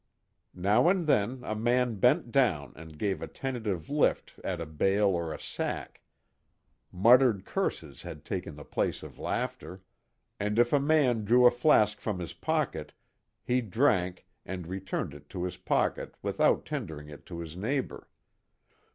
Now and then a man bent down and gave a tentative lift at a bale or a sack. Muttered curses had taken the place of laughter, and if a man drew a flask from his pocket, he drank, and returned it to his pocket without tendering it to his neighbor.